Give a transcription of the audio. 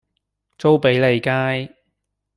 租庇利街